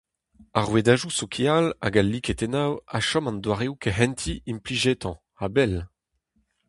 Ar rouedadoù sokial hag al liketennoù a chom an doareoù kehentiñ implijetañ, a-bell.